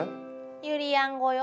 ゆりやん語よ。